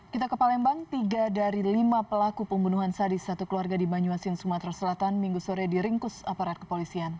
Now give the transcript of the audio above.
kita ke palembang tiga dari lima pelaku pembunuhan sadis satu keluarga di banyuasin sumatera selatan minggu sore diringkus aparat kepolisian